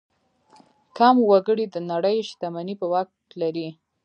کم وګړي د نړۍ شتمني په واک لري.